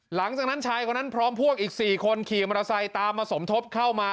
หลังจากนั้นชายคนนั้นพร้อมพวกอีก๔คนขี่มอเตอร์ไซค์ตามมาสมทบเข้ามา